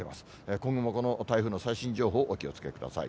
今後もこの台風の最新情報、お気をつけください。